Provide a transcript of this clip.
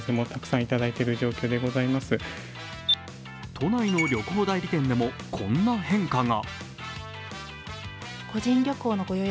都内の旅行代理店でもこんな変化が。